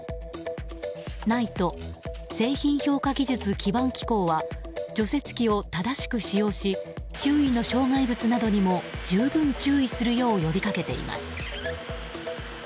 ＮＩＴＥ・製品評価技術基盤機構は除雪機を正しく使用し周囲の障害物などにも十分注意するよう呼びかけています。